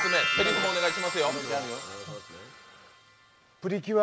「プリキュア」